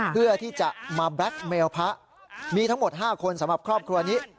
เพื่อที่จะมาแบล็คเมลพระมีทั้งหมด๕คนสำหรับครอบครัวนี้